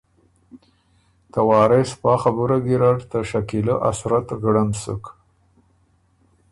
ته وارث پا خبُره ګیرډ ته شکیلۀ ا صورت غړند سُک